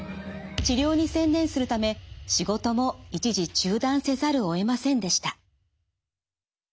治療に専念するため仕事も一時中断せざるをえませんでした。